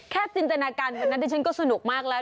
จินตนาการวันนั้นดิฉันก็สนุกมากแล้ว